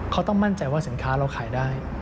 เขาต้องมั่นใจว่าสินค้าเราขายได้